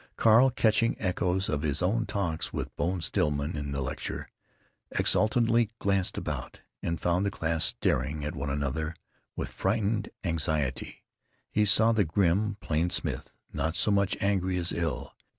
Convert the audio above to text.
Carl, catching echoes of his own talks with Bone Stillman in the lecture, exultantly glanced about, and found the class staring at one another with frightened anxiety. He saw the grim Plain Smith, not so much angry as ill.